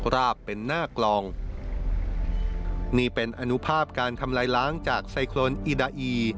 ราบเป็นหน้ากลองนี่เป็นอนุภาพการทำลายล้างจากไซโครนอีดาอี